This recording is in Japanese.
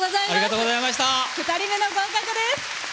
２人目の合格です。